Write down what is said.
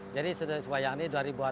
jadi sudah subayang ini dua ribu tahun